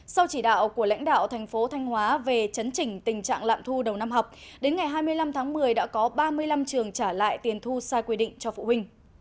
sau chỉ đạo của lãnh đạo thành phố thanh hóa về chấn chỉnh tình trạng lạm thu đầu năm học đến ngày hai mươi năm tháng một mươi đã có ba mươi năm trường trả lại tiền thu sai quy định cho phụ huynh